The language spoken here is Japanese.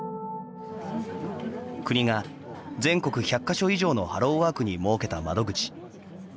国が全国１００か所以上のハローワークに設けた窓口。